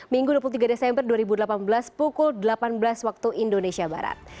minggu dua puluh tiga desember dua ribu delapan belas pukul delapan belas waktu indonesia barat